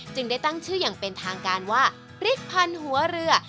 ได้ตั้งชื่ออย่างเป็นทางการว่าพริกพันธุ์หัวเรือ